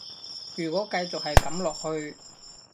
如果繼續係噉落去